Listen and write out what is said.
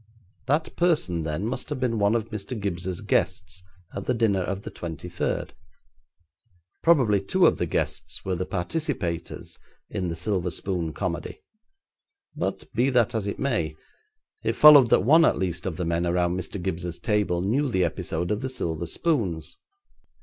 That person, then, must have been one of Mr. Gibbes's guests at the dinner of the twenty third. Probably two of the guests were the participators in the silver spoon comedy, but, be that as it may, it followed that one at least of the men around Mr. Gibbes's table knew the episode of the silver spoons.